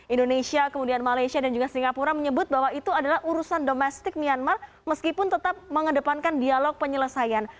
indonesia kemudian malaysia dan juga singapura menyebut bahwa itu adalah urusan domestik myanmar meskipun tetap mengedepankan dialog penyelesaian